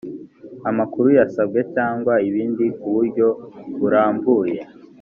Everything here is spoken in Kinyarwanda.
amakuru yasabwe cyangwa ibindi kuburyo burambuye